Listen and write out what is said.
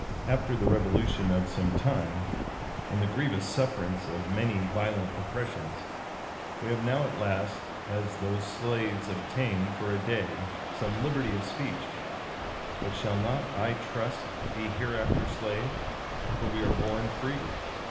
After the revolution of some time, and the grievous sufferance of many violent oppressions, we have now at last, as those slaves, obtained, for a day, some liberty of speech; but shall not, I trust, be hereafter slaves: for we are born free.